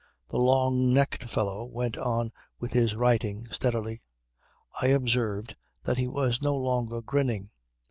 The long necked fellow went on with his writing steadily. I observed that he was no longer grinning.